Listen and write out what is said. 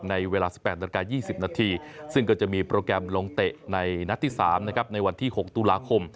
ในเวลา๑๘นาฬิกา๒๐นาทีซึ่งก็จะมีโปรแกรมลงเตะในนัดที่๓ในวันที่๖ตุลาคม